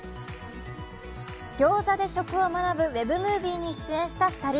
ギョーザで食を学ぶＷｅｂムービーに出演した２人。